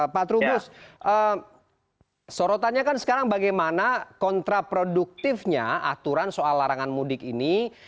pak trubus sorotannya kan sekarang bagaimana kontraproduktifnya aturan soal larangan mudik ini